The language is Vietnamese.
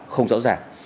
không rõ ràng